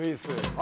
・あ。